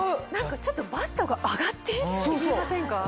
ちょっとバストが上がってるように見えませんか？